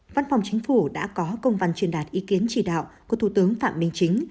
văn phòng chính phủ đã có công văn truyền đạt ý kiến chỉ đạo của thủ tướng phạm minh chính